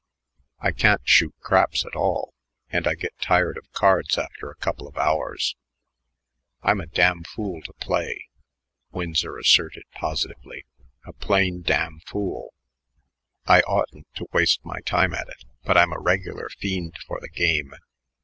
I can't shoot craps at all, and I get tired of cards after a couple of hours." "I'm a damn fool to play," Winsor asserted positively, "a plain damn fool, I oughtn't to waste my time at it, but I'm a regular fiend for the game.